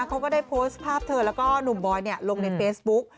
ก็ได้โพสต์ภาพเธอแล้วก็หนุ่มบอยลงในเฟซบุ๊ก